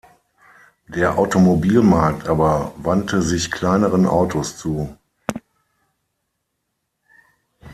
Der Automobilmarkt aber wandte sich kleineren Autos zu.